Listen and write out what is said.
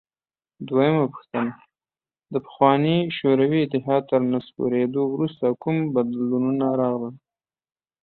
دویمه پوښتنه: د پخواني شوروي اتحاد تر نسکورېدو وروسته کوم بدلونونه راغلل؟